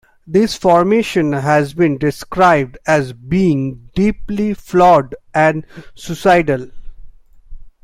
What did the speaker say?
This formation has been described as being "deeply flawed" and "suicidal".